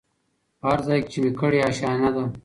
په هرځای کي چي مي کړې آشیانه ده